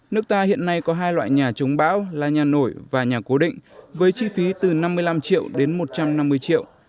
nước ta hiện nay có hai loại nhà chống bão là nhà nổi và nhà cố định với chi phí từ năm mươi năm triệu đến một trăm năm mươi triệu